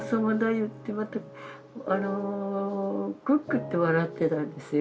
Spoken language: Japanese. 言ってまたクックッて笑ってたんですよ